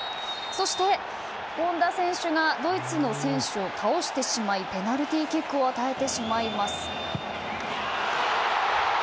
そして、権田選手がドイツの選手を倒してしまいペナルティーキックを与えてしまいます。